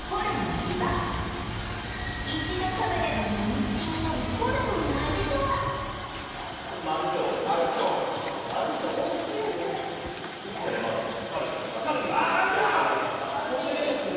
千葉一度食べればやみつきになるホルモンの味とは申し訳ないですけど